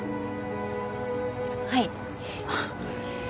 はい。